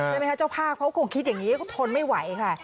ใช่ไหมคะเจ้าภาพเขาคงคิดอย่างนี้ก็ทนไม่ไหวค่ะ